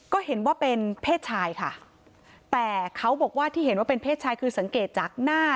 ก็เห็นว่าเป็นเพศชายค่ะแต่เขาบอกว่าที่เห็นว่าเป็นเพศชายคือสังเกตจากหน้า